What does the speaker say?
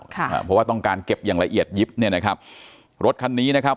เพราะว่าต้องการเก็บอย่างละเอียดยิบเนี่ยนะครับรถคันนี้นะครับ